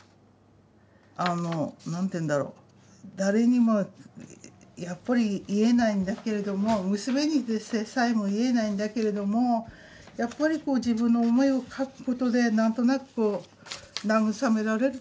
あの何て言うんだろう誰にもやっぱり言えないんだけれども娘にでさえも言えないんだけれどもやっぱり自分の思いを書くことで何となくこう慰められるっていうのはありましたね。